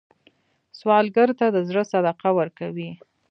سوالګر ته د زړه صدقه ورکوئ